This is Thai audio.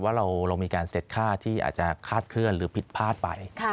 ว่าเรามีการเสร็จค่าที่อาจจะคาดเคลื่อนหรือผิดพลาดไป